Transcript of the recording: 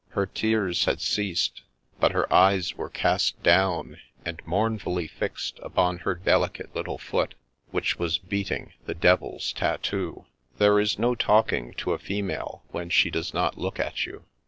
Her tears had ceased ; but her eyes were cast down, and mournfully fixed upon her delicate little foot, which was beating the devil's tattoo. There is no talking to a female when she does not look at you.